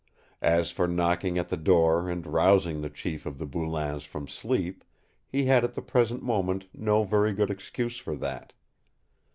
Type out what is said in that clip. As for knocking at the door and rousing the chief of the Boulains from sleep he had at the present moment no very good excuse for that.